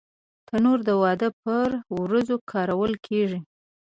تنور د واده پر ورځو کارول کېږي